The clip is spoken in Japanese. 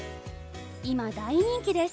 今大人気です。